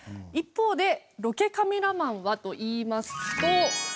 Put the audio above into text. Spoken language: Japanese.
一方でロケカメラマンはといいますと。